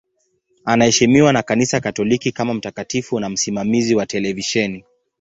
Anaheshimiwa na Kanisa Katoliki kama mtakatifu na msimamizi wa televisheni.